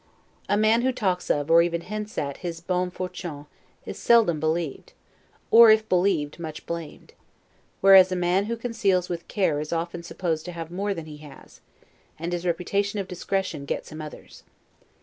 A man who talks of, or even hints at, his 'bonnes fortunes', is seldom believed, or, if believed, much blamed; whereas a man who conceals with care is often supposed to have more than he has, and his reputation of discretion gets him others.